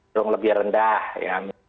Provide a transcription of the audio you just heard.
yang lebih rendah ya